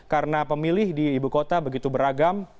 karena pemilih di ibu kota begitu beragam